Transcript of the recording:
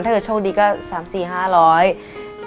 ถ้าเกิดโชคดีก็๓๔๕๐๐บาท